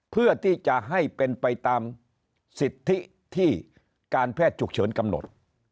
เพื่อที่จะให้เป็นไปตามสิทธิที่การแพทย์ฉุกเฉินกำหนด